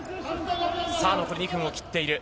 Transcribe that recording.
さあ、残り２分を切っている。